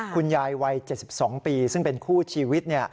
คุณยายวัย๗๒ปีซึ่งเป็นคู่ชีวิต